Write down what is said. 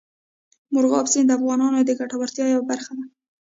مورغاب سیند د افغانانو د ګټورتیا یوه برخه ده.